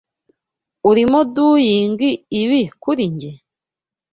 Urimo doing ibi kuri njye?